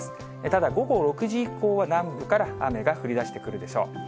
ただ、午後６時以降は南部から雨が降りだしてくるでしょう。